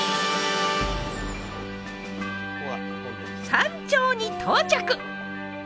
山頂に到着！